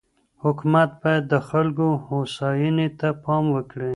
حکومت باید د خلګو هوساینې ته پام وکړي.